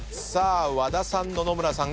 和田さん野々村さん